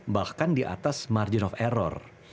bahkan di atas margin of error